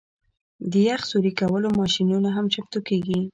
د یخ سوري کولو ماشینونه هم چمتو کیږي